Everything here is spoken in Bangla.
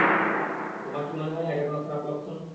তোমার কি মনে হয়না এটা কোনো খারাপ লক্ষন?